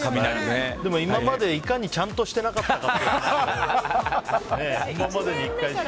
今までいかにちゃんとしてなかったか。